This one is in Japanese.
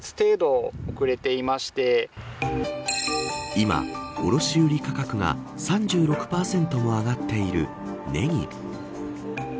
今、卸売価格が３６％も上がっているネギ。